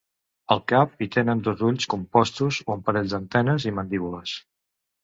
Al cap, hi tenen dos ulls compostos, un parell d'antenes i mandíbules.